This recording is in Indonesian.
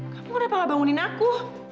kamu kenapa gak bangunin aku